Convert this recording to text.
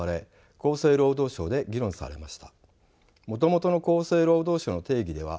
厚生労働省で議論されました。